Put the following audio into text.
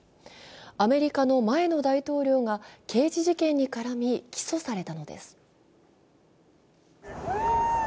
アメリカの前の大統領が刑事事件に絡み、起訴されたのです。